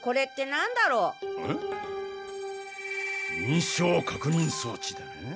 認証確認装置だな。